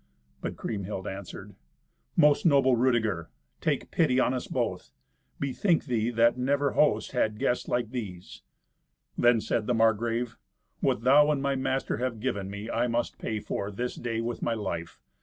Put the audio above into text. But Kriemhild answered, "Most noble Rudeger, take pity on us both. Bethink thee that never host had guests like these." Then said the Margrave, "What thou and my master have given me I must pay for, this day, with my life.